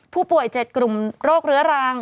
ผู้ป่วย๗กลุ่มโรคเรื้อรัง